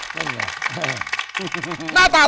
หน้าตาสดใสนะ